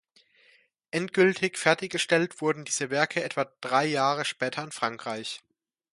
Endgültig fertiggestellt wurden diese Werke etwa drei Jahre später in Frankreich.